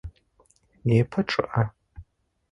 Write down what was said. Непэ чъыӏэ.